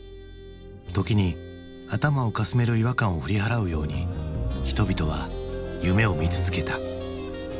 時に頭をかすめる違和感を振り払うように人々は夢を見続けた。